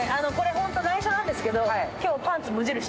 ホントないしょなんですけど。